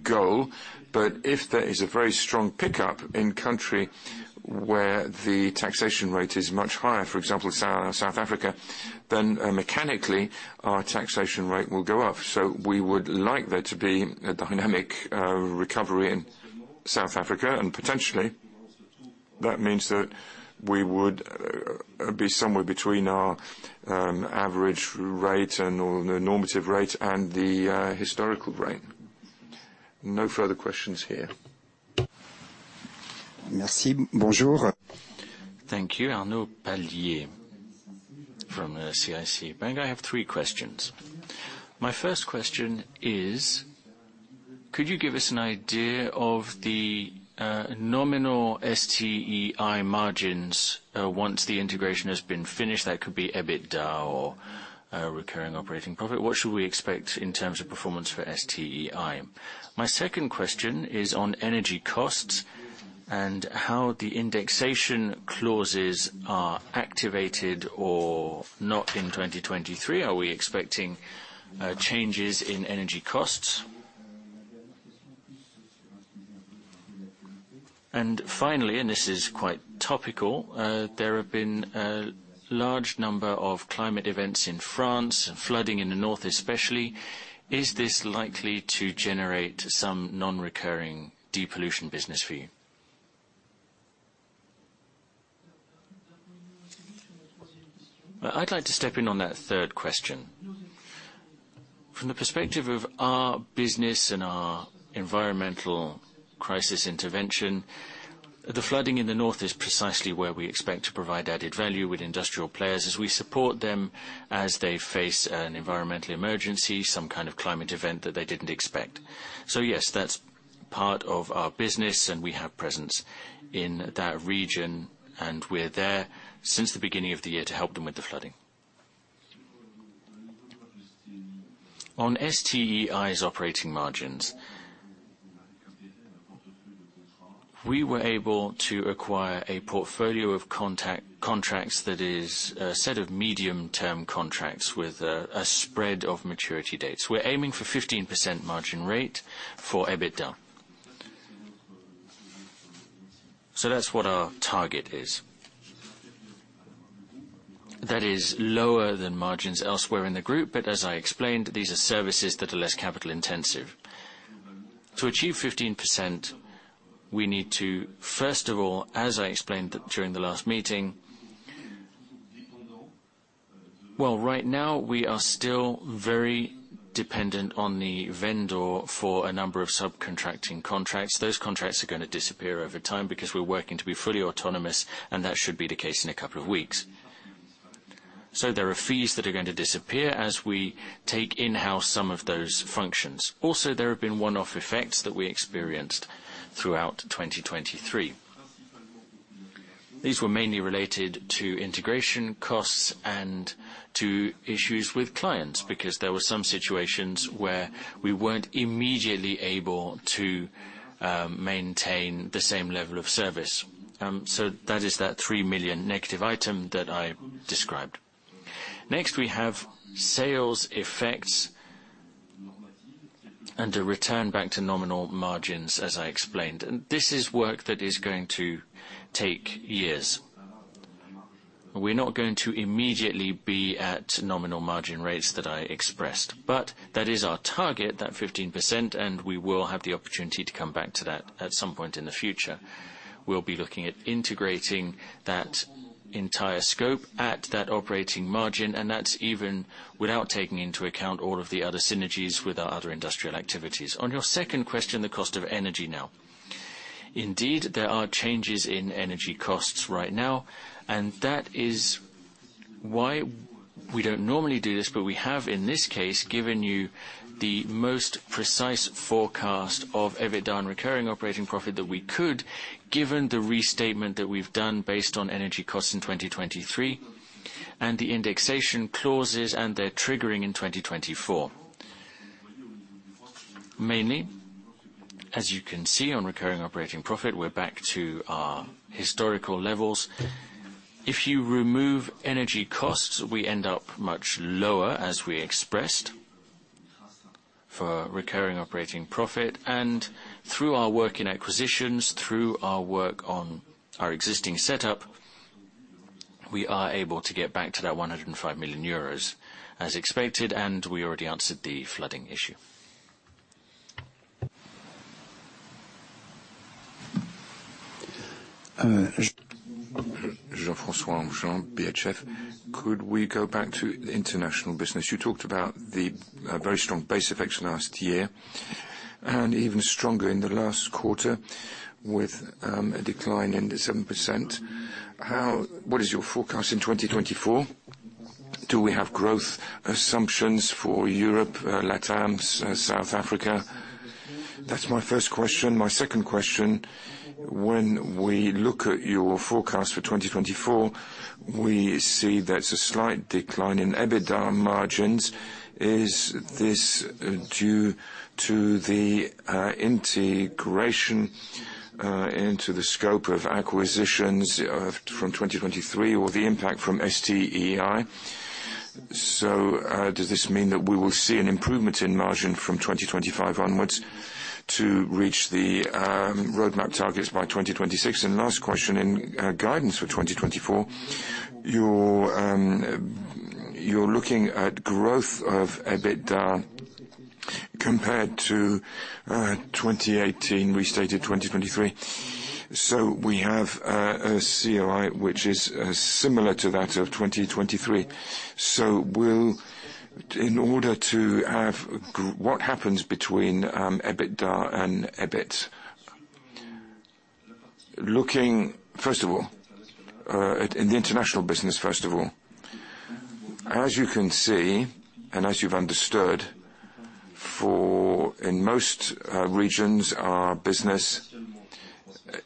goal, but if there is a very strong pickup in country where the taxation rate is much higher, for example, South Africa, then mechanically, our taxation rate will go up. So we would like there to be a dynamic recovery in South Africa, and potentially, that means that we would be somewhere between our average rate or the normative rate and the historical rate. No further questions here. Merci. Bonjour. Thank you, Arnaud Palliez from CIC Bank. I have three questions. My first question is, could you give us an idea of the nominal SDEI margins once the integration has been finished? That could be EBITDA or recurring operating profit. What should we expect in terms of performance for SDEI? My second question is on energy costs and how the indexation clauses are activated or not in 2023. Are we expecting changes in energy costs? And finally, and this is quite topical, there have been a large number of climate events in France and flooding in the north especially. Is this likely to generate some non-recurring depollution business for you? I'd like to step in on that third question. From the perspective of our business and our environmental crisis intervention, the flooding in the north is precisely where we expect to provide added value with industrial players as we support them as they face an environmental emergency, some kind of climate event that they didn't expect. So yes, that's part of our business, and we have presence in that region, and we're there since the beginning of the year to help them with the flooding. On SDEI's operating margins, we were able to acquire a portfolio of contracts that is a set of medium-term contracts with a spread of maturity dates. We're aiming for a 15% margin rate for EBITDA. So that's what our target is. That is lower than margins elsewhere in the group, but as I explained, these are services that are less capital-intensive. To achieve 15%, we need to, first of all, as I explained during the last meeting, well, right now, we are still very dependent on the vendor for a number of subcontracting contracts. Those contracts are going to disappear over time because we're working to be fully autonomous, and that should be the case in a couple of weeks. So there are fees that are going to disappear as we take in-house some of those functions. Also, there have been one-off effects that we experienced throughout 2023. These were mainly related to integration costs and to issues with clients because there were some situations where we weren't immediately able to maintain the same level of service. So that is that 3 million negative item that I described. Next, we have sales effects and a return back to nominal margins, as I explained. This is work that is going to take years. We're not going to immediately be at nominal margin rates that I expressed, but that is our target, that 15%, and we will have the opportunity to come back to that at some point in the future. We'll be looking at integrating that entire scope at that operating margin, and that's even without taking into account all of the other synergies with our other industrial activities. On your second question, the cost of energy now. Indeed, there are changes in energy costs right now, and that is why we don't normally do this, but we have, in this case, given you the most precise forecast of EBITDA and recurring operating profit that we could given the restatement that we've done based on energy costs in 2023 and the indexation clauses and their triggering in 2024. Mainly, as you can see on recurring operating profit, we're back to our historical levels. If you remove energy costs, we end up much lower, as we expressed, for recurring operating profit. And through our work in acquisitions, through our work on our existing setup, we are able to get back to that 105 million euros as expected, and we already answered the flooding issue. Jean-François Granjon, BHF. Could we go back to international business? You talked about the very strong base effects last year and even stronger in the last quarter with a decline in 7%. What is your forecast in 2024? Do we have growth assumptions for Europe, LATAMS, South Africa? That's my first question. My second question, when we look at your forecast for 2024, we see that's a slight decline in EBITDA margins. Is this due to the integration into the scope of acquisitions from 2023 or the impact from SDEI? So does this mean that we will see an improvement in margin from 2025 onwards to reach the roadmap targets by 2026? And last question, in guidance for 2024, you're looking at growth of EBITDA compared to 2018, restated 2023. So we have a COI which is similar to that of 2023. So in order to have what happens between EBITDA and EBIT, looking, first of all, in the international business, first of all, as you can see and as you've understood, in most regions, our business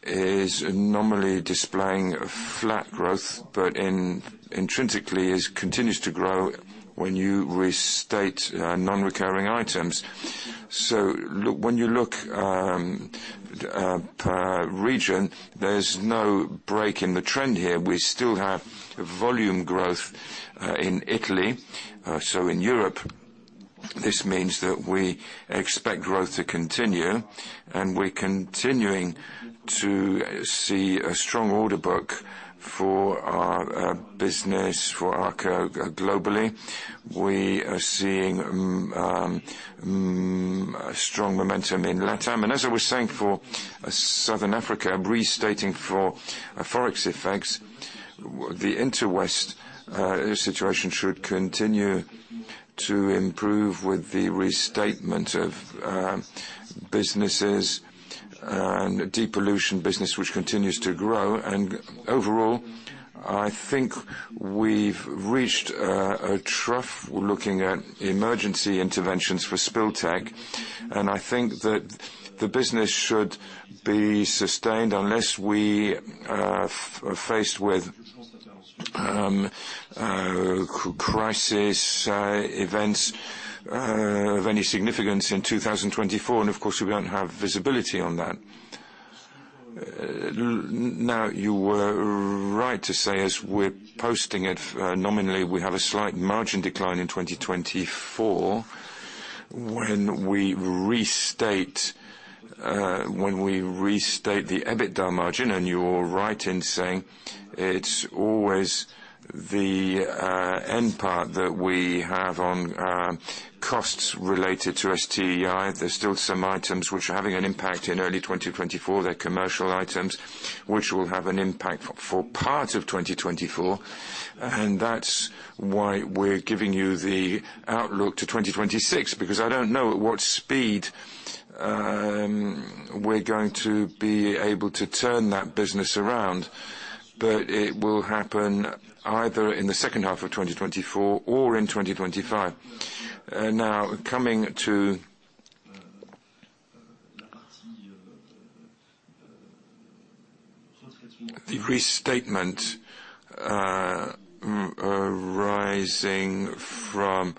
is normally displaying flat growth, but intrinsically, it continues to grow when you restate non-recurring items. So when you look per region, there's no break in the trend here. We still have volume growth in Italy. In Europe, this means that we expect growth to continue, and we're continuing to see a strong order book for our business globally. We are seeing strong momentum in LATAM. As I was saying for Southern Africa, restating for forex effects, the Interwaste situation should continue to improve with the restatement of businesses and depollution business which continues to grow. Overall, I think we've reached a trough looking at emergency interventions for Spill Tech, and I think that the business should be sustained unless we are faced with crisis events of any significance in 2024, and of course, we don't have visibility on that. Now, you were right to say, as we're posting it nominally, we have a slight margin decline in 2024 when we restate the EBITDA margin, and you were right in saying it's always the end part that we have on costs related to SDEI. There's still some items which are having an impact in early 2024. They're commercial items which will have an impact for part of 2024, and that's why we're giving you the outlook to 2026 because I don't know at what speed we're going to be able to turn that business around, but it will happen either in the second half of 2024 or in 2025. Now, coming to the restatement arising from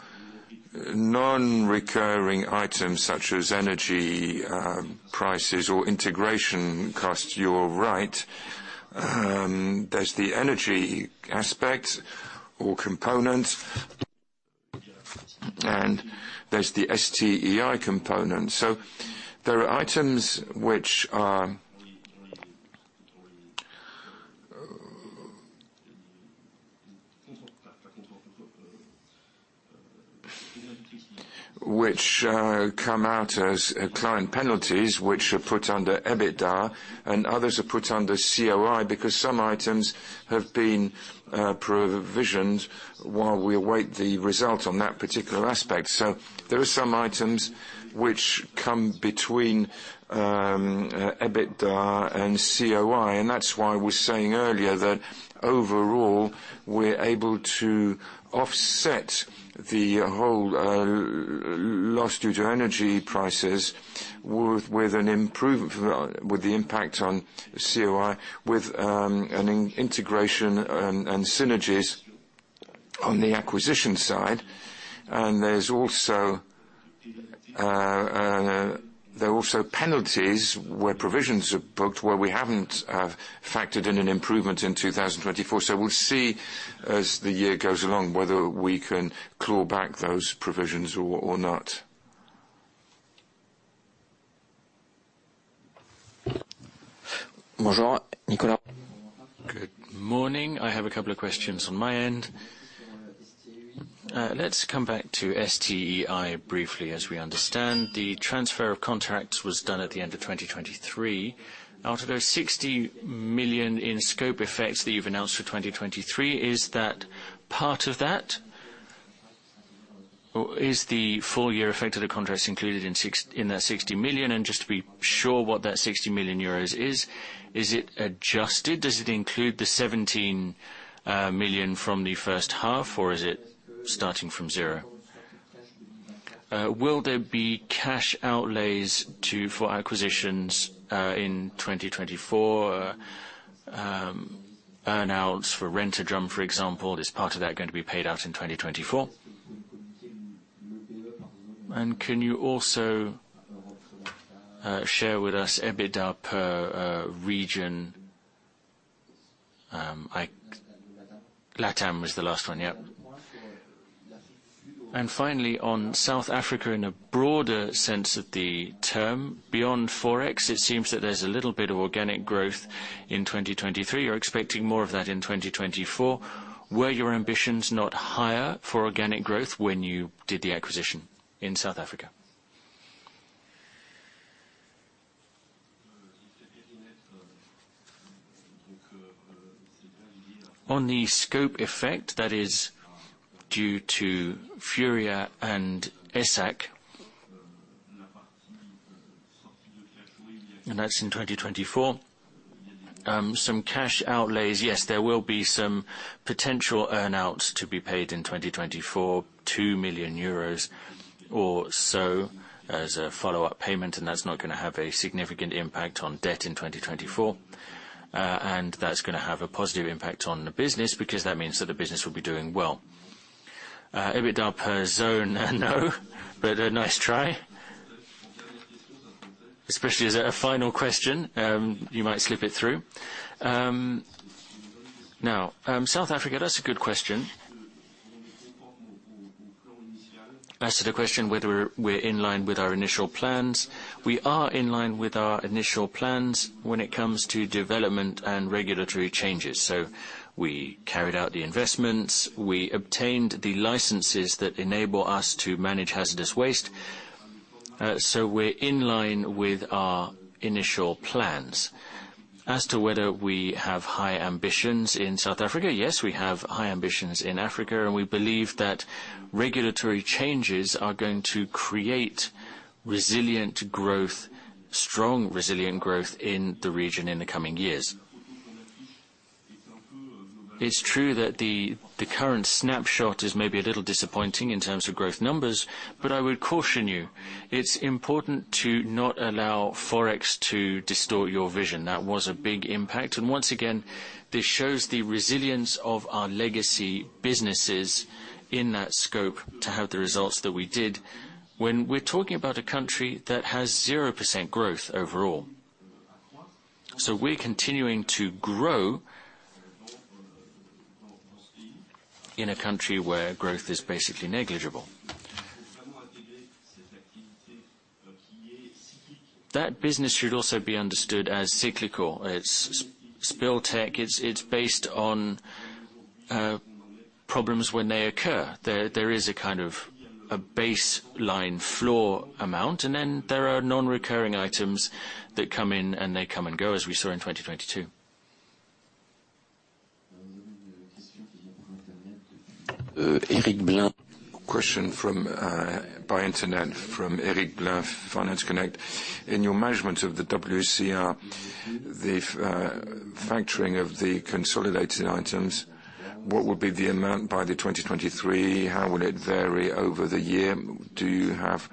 non-recurring items such as energy prices or integration costs, you're right. There's the energy aspect or component, and there's the SDEI component. So there are items which come out as client penalties which are put under EBITDA, and others are put under COI because some items have been provisioned while we await the result on that particular aspect. So there are some items which come between EBITDA and COI, and that's why I was saying earlier that overall, we're able to offset the whole loss due to energy prices with the impact on COI with an integration and synergies on the acquisition side. And there are also penalties where provisions are booked where we haven't factored in an improvement in 2024. So we'll see as the year goes along whether we can claw back those provisions or not. Bonjour, Nicolas. Good morning. I have a couple of questions on my end. Let's come back to SDEI briefly as we understand. The transfer of contracts was done at the end of 2023. Out of those 60 million in scope effects that you've announced for 2023, is that part of that? Is the full year effect of the contracts included in that 60 million? And just to be sure what that 60 million euros is, is it adjusted? Does it include the 17 million from the first half, or is it starting from zero? Will there be cash outlays for acquisitions in 2024, earnouts for Rent-A-Drum, for example? Is part of that going to be paid out in 2024? And can you also share with us EBITDA per region? LATAM was the last one. Yep. And finally, on South Africa in a broader sense of the term, beyond forex, it seems that there's a little bit of organic growth in 2023. You're expecting more of that in 2024. Were your ambitions not higher for organic growth when you did the acquisition in South Africa? On the scope effect, that is due to Furia and ESSAC, and that's in 2024, some cash outlays, yes, there will be some potential earnouts to be paid in 2024, 2 million euros or so as a follow-up payment, and that's not going to have a significant impact on debt in 2024, and that's going to have a positive impact on the business because that means that the business will be doing well. EBITDA per zone, no, but a nice try, especially as a final question. You might slip it through. Now, South Africa, that's a good question. Answer the question whether we're in line with our initial plans. We are in line with our initial plans when it comes to development and regulatory changes. So we carried out the investments. We obtained the licenses that enable us to manage hazardous waste. So we're in line with our initial plans. As to whether we have high ambitions in South Africa, yes, we have high ambitions in Africa, and we believe that regulatory changes are going to create resilient growth, strong resilient growth in the region in the coming years. It's true that the current snapshot is maybe a little disappointing in terms of growth numbers, but I would caution you. It's important to not allow forex to distort your vision. That was a big impact. And once again, this shows the resilience of our legacy businesses in that scope to have the results that we did when we're talking about a country that has 0% growth overall. So we're continuing to grow in a country where growth is basically negligible. That business should also be understood as cyclical. It's Spill Tech. It's based on problems when they occur. There is a kind of a baseline floor amount, and then there are non-recurring items that come in, and they come and go as we saw in 2022. Eric Blain. Question by internet from Eric Blain, Finance Connect. In your management of the WCR, the factoring of the consolidated items, what would be the amount by 2023? How will it vary over the year? Do you have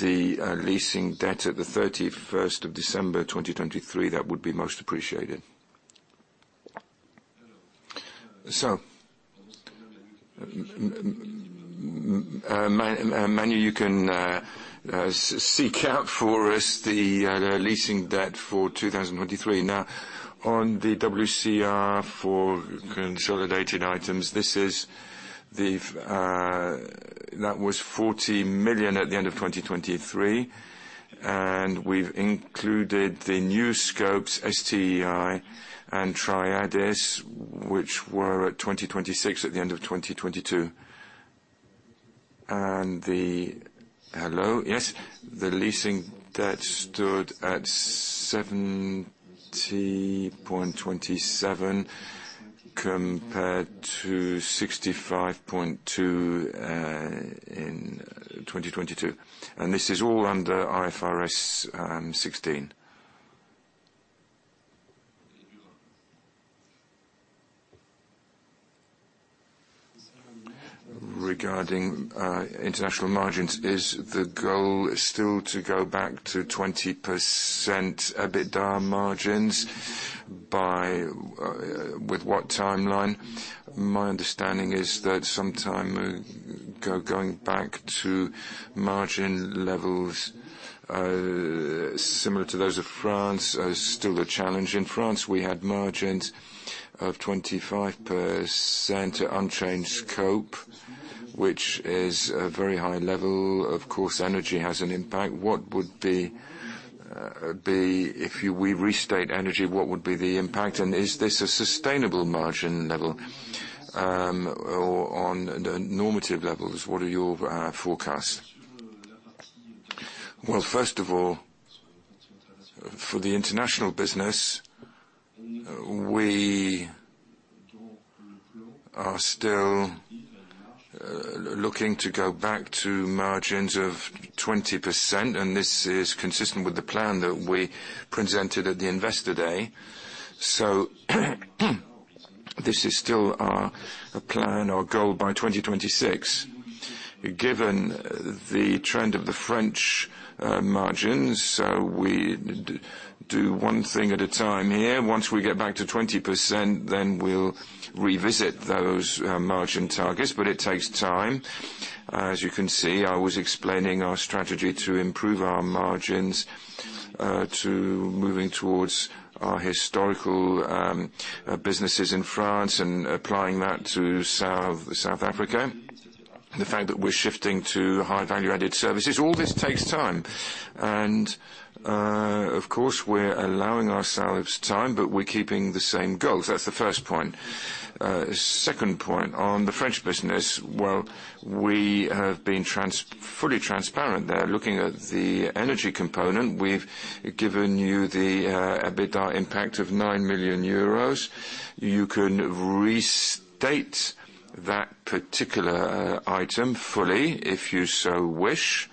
the leasing debt at the 31st of December 2023 that would be most appreciated? So, Manu, you can seek out for us the leasing debt for 2023. Now, on the WCR for consolidated items, that was 40 million at the end of 2023, and we've included the new scopes, SDEI and Trédi, which were at 26 at the end of 2022. And the hello? Yes, the leasing debt stood at 70.27 compared to 65.2 in 2022, and this is all under IFRS 16. Regarding international margins, is the goal still to go back to 20% EBITDA margins with what timeline? My understanding is that sometime going back to margin levels similar to those of France is still a challenge. In France, we had margins of 25% to unchanged scope, which is a very high level. Of course, energy has an impact. If we restate energy, what would be the impact? And is this a sustainable margin level? On the normative levels, what are your forecasts? Well, first of all, for the international business, we are still looking to go back to margins of 20%, and this is consistent with the plan that we presented at the investor day. So this is still our plan, our goal by 2026. Given the trend of the French margins, we do one thing at a time here. Once we get back to 20%, then we'll revisit those margin targets, but it takes time. As you can see, I was explaining our strategy to improve our margins to moving towards our historical businesses in France and applying that to South Africa. The fact that we're shifting to high-value-added services, all this takes time. And of course, we're allowing ourselves time, but we're keeping the same goals. That's the first point. Second point, on the French business, well, we have been fully transparent there. Looking at the energy component, we've given you the EBITDA impact of 9 million euros. You can restate that particular item fully if you so wish.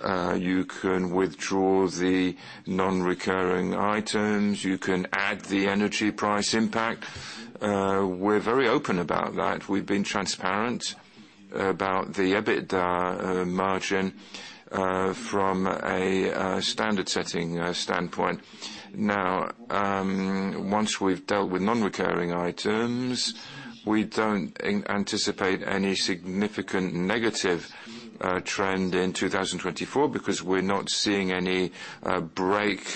You can withdraw the non-recurring items. You can add the energy price impact. We're very open about that. We've been transparent about the EBITDA margin from a standard-setting standpoint. Now, once we've dealt with non-recurring items, we don't anticipate any significant negative trend in 2024 because we're not seeing any break,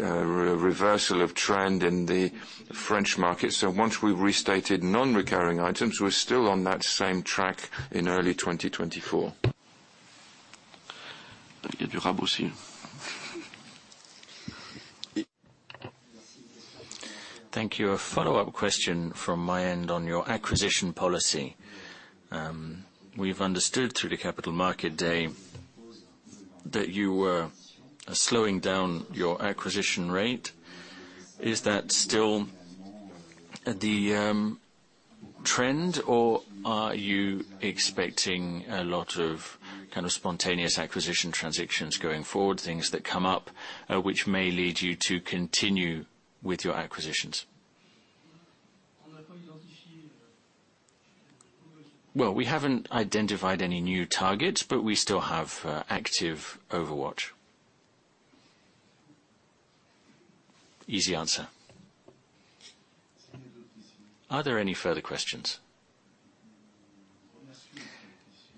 reversal of trend in the French market. So once we've restated non-recurring items, we're still on that same track in early 2024. Il y a du rab aussi. Thank you. A follow-up question from my end on your acquisition policy. We've understood through the capital market day that you were slowing down your acquisition rate. Is that still the trend, or are you expecting a lot of kind of spontaneous acquisition transitions going forward, things that come up which may lead you to continue with your acquisitions? Well, we haven't identified any new targets, but we still have active overwatch. Easy answer. Are there any further questions?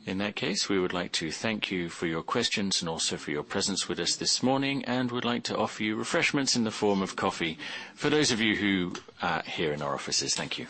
In that case, we would like to thank you for your questions and also for your presence with us this morning and would like to offer you refreshments in the form of coffee for those of you who are here in our offices. Thank you.